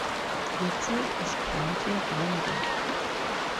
The tail is bluntly rounded.